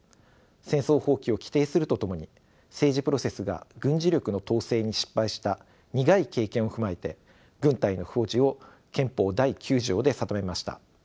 戦争放棄を規定するとともに政治プロセスが軍事力の統制に失敗した苦い経験を踏まえて軍隊の不保持を憲法第９条で定めました。